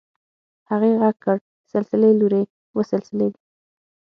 هغې غږ کړ سلسلې لورې وه سلسلې.